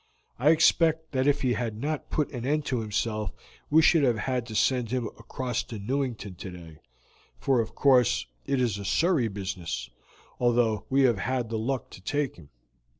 I expect that if he had not put an end to himself we should have had to send him across to Newington today, for of course it is a Surrey business, though we have had the luck to take him.